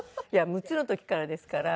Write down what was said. ６つの時からですから。